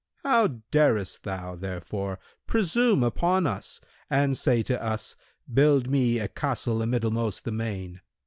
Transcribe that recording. How darest thou, therefore, presume upon us and say to us, 'Build me a castle amiddlemost the main'?